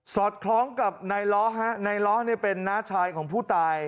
อดคล้องกับนายล้อฮะนายล้อเป็นน้าชายของผู้ตาย